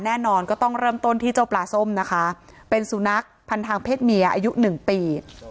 แน่นอนก็ต้องเริ่มต้นที่เจ้าปลาส้มนะคะเป็นสุนัขพันทางเพศเมียอายุหนึ่งปี